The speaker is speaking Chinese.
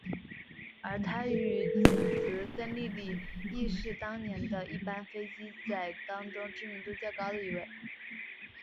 而他与姊姊郑丽丽亦是当年的一班飞机仔当中知名度较高的一位。